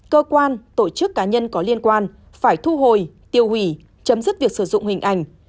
cơ quan tổ chức cá nhân có liên quan phải thu hồi tiêu hủy chấm dứt việc sử dụng hình ảnh